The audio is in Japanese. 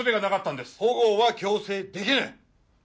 保護は強制できない！